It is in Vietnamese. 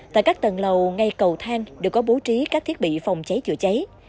tại các tầng lầu ngay cầu thang đều có bố trí các thiết bị phòng cháy chữa cháy